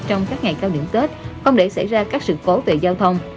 trong các ngày cao điểm tết không để xảy ra các sự phố tệ giao thông